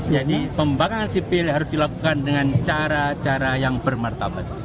jadi pembangkangan sipil harus dilakukan dengan cara cara yang bermartabat